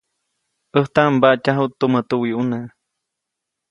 ʼÄjtaʼm mbatyajuʼt tumä tuwiʼuneʼ.